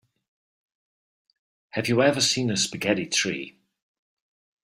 Have you ever seen a spaghetti tree?